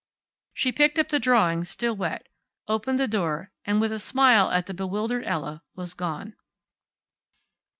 She picked up the drawing, still wet, opened the door, and with a smile at the bewildered Ella, was gone.